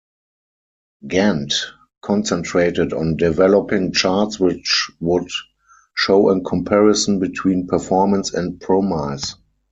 Gantt concentrated on developing charts which would show a comparison between performance and promise.